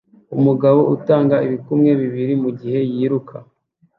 Umugabo utanga ibikumwe bibiri mugihe yiruka